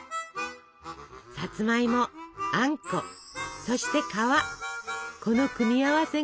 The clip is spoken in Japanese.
さつまいもあんこそして皮この組み合わせが最高なの！